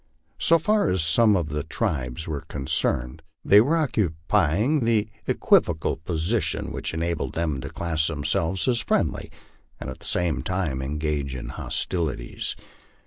So far as some of the tribes were con cerned, they were occupying that equivocal position which enabled them to class themselves as friendly and at the same time engage in hostilities.